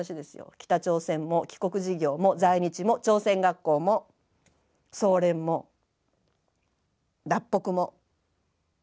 北朝鮮も帰国事業も在日も朝鮮学校も総連も脱北も。